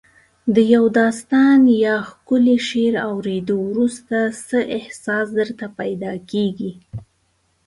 د یو داستان یا ښکلي شعر اوریدو وروسته څه احساس درته پیدا کیږي؟